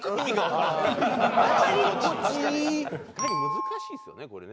難しいですよねこれね。